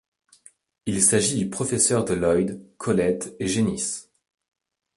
Il s'agit du professeur de Lloyd, Colette et Génis.